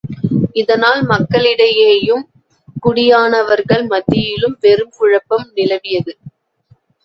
இதனால் மக்களிடையேயும், குடியானவர்கள் மத்தியிலும் பெரும் குழப்பம் நிலவியது.